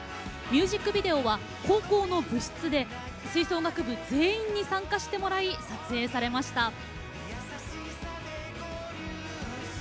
ミュージックビデオは高校の部室で吹奏楽部全員に参加してもらい撮影されました。